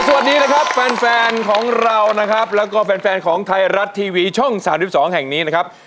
สวัสดีนะครับแฟนของเรานะครับแล้วก็แฟนของไทยรัฐทีวีช่อง๓๒แห่งนี้นะครับ